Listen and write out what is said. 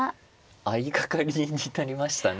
相掛かりになりましたね。